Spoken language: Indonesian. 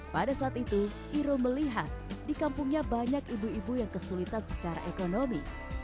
pada saat itu iro melihat di kampungnya banyak ibu ibu yang kesulitan secara ekonomi